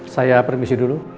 saya permisi dulu